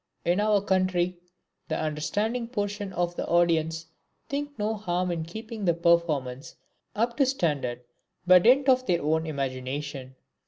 In our country the understanding portion of the audience think no harm in keeping the performance up to standard by dint of their own imagination.